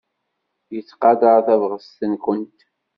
Yettqadar tabɣest-nwent.